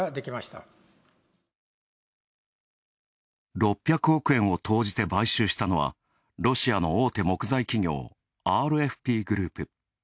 ６００億円を投じて買収したのは、ロシアの大手木材企業、ＲＦＰグループ。